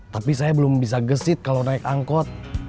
tapi saya belum bisa gesit kalau naik angkot